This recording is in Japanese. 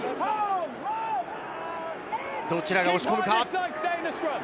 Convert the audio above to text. どちらが押し込むか？